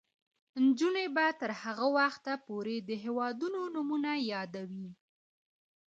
نجونې به تر هغه وخته پورې د هیوادونو نومونه یادوي.